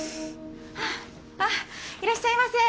ハァあっいらっしゃいませ。